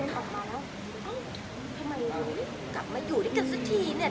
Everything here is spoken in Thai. เอาละคะทำไมกันไม่กลับมาอยู่ด้วยกันสักทีเนี่ย